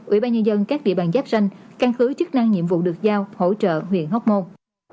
ủy ban nhân dân các địa bàn giáp danh căn cứ chức năng nhiệm vụ được giao hỗ trợ huyện hóc môn